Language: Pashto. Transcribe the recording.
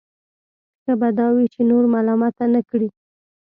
ښه به دا وي چې نور ملامته نه کړي.